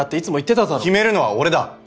決めるのは俺だ。